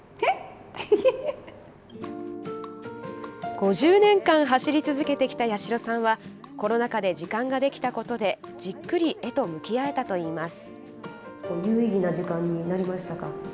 ５０年間、走り続けてきた八代さんはコロナ禍で時間ができたことでじっくり絵と向き合えたといいます。